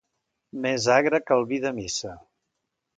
Més agre que el vi de missa.